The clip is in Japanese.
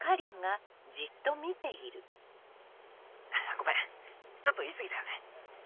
ごめんちょっと言い過ぎたよね。